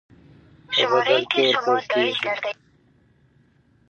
په بدل کې ورکول کېږي.